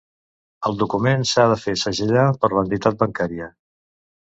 El document s'ha de fer segellar per l'entitat bancària.